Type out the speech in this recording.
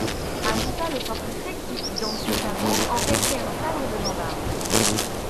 Ajouta le portefaix qui, dans ses sabots, empêtrait un sabre de gendarme.